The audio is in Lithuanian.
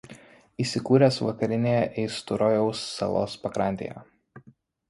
Įsikūręs vakarinėje Eisturojaus salos pakrantėje.